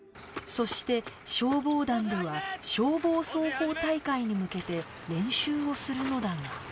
そして消防団では消防操法大会に向けて練習をするのだが